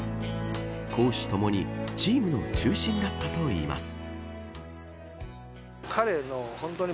攻守ともにチームの中心だったといいます。